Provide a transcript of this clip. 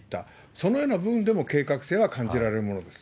そのような部分でも計画性は感じられるものです。